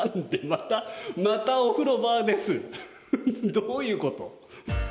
どういうこと？